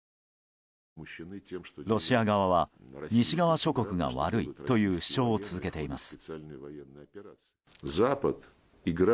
ロシア側は西側諸国が悪いという主張を続けています。